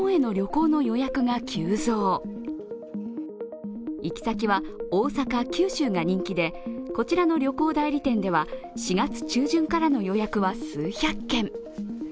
行き先は大阪、九州が人気でこちらの旅行代理店では４月中旬からの予約は数百件。